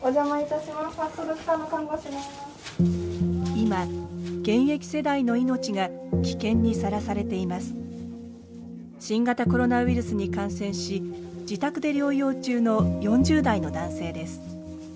今新型コロナウイルスに感染し自宅で療養中の４０代の男性です。